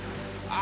あ！